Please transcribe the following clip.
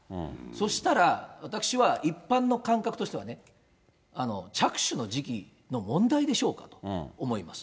そしたら、私は、一般の感覚としてはね、着手の時期の問題でしょうかと思います。